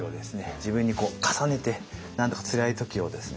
自分に重ねてなんとかつらい時をですね